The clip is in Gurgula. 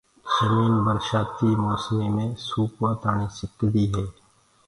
جمين برشآتيٚ موسميٚ مي سوُڪوآ تآڻيٚ سڪدي هي